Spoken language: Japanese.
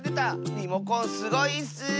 リモコンすごいッス！